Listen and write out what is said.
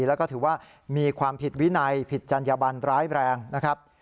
แล้วก็ถือว่ามีความผิดวินัยผิดจัญญบันร้ายแรงนะครับ